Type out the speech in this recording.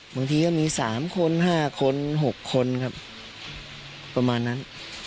บางทีก็มี๓คน๕คน๖คนครับประมาณนั้น